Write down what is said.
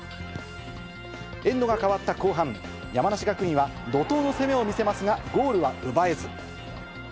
エンドが変わった後半、山梨学院は怒とうの攻めを見せますが、ゴールは奪えず。